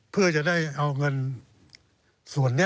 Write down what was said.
เพื่อจะได้เอาเงินส่วนนี้